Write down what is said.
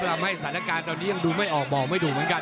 แล้วมวยสายละกลาสักหนี่ยังดูไม่ออกบอกไม่ถูกเหมือนกัน